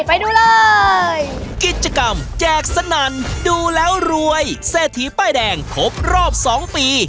ไปดูเลยกิจกรรมแจกสนั่นดูแล้วรวยเศรษฐีป้ายแดงครบรอบสองปี